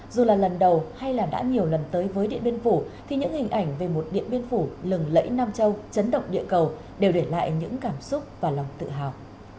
dù là lần đầu hay là đã nhiều lần tới với điện biên phủ thì những hình ảnh về một điện biên phủ lừng lẫy nam châu chấn động địa cầu đều để lại những cảm xúc và lòng tự hào